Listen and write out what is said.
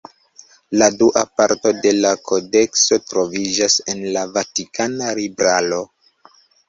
La dua parto de la kodekso troviĝas en la Vatikana libraro.